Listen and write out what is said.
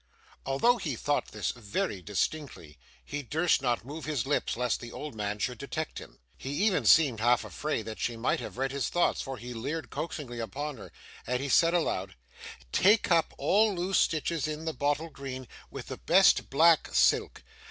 Although he thought this very distinctly, he durst not move his lips lest the old woman should detect him. He even seemed half afraid that she might have read his thoughts; for he leered coaxingly upon her, as he said aloud: 'Take up all loose stitches in the bottle green with the best black silk.